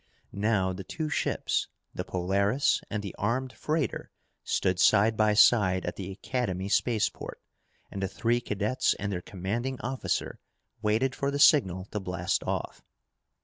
Now, the two ships, the Polaris and the armed freighter stood side by side at the Academy spaceport, and the three cadets and their commanding officer waited for the signal to blast off.